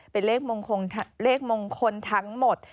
เป็นเลขมงคลทั้งหมด